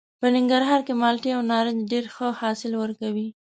په ننګرهار کې مالټې او نارنج ډېر ښه حاصل ورکوي.